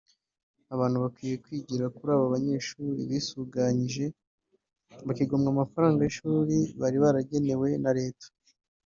Abantu bakwiye kwigira kuri aba banyeshuri bisuganyije bakigomwa amafaranga y’ishuri bari baragenewe na Leta